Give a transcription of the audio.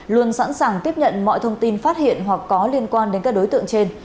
luôn sẵn sàng tiếp nhận mọi thông tin phát hiện hoặc có liên quan đến các đối tượng trên